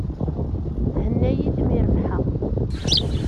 Thenna-iyi-d mi rebḥeɣ.